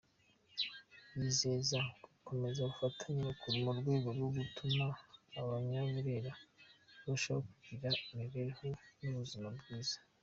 Yizeza gukomeza ubufatanye mu rwego rwo gutuma Abanyaburera barushaho kugira imibereho n’ubuzima byiza.